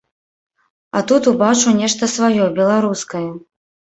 А тут убачыў нешта сваё, беларускае.